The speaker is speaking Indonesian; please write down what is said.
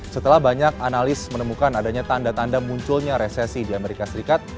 setelah banyak analis menemukan adanya tanda tanda munculnya resesi di amerika serikat